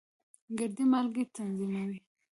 ګردې مالګې تنظیموي.